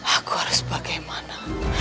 aku harus bagaimana